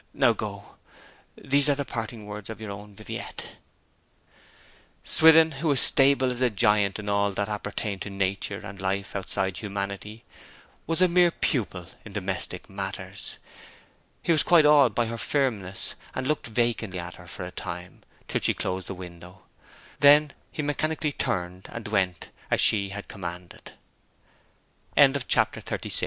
Now go. These are the parting words of your own Viviette!' Swithin, who was stable as a giant in all that appertained to nature and life outside humanity, was a mere pupil in domestic matters. He was quite awed by her firmness, and looked vacantly at her for a time, till she closed the window. Then he mechanically turned, and went, as she had commanded. XXXVII A week had passed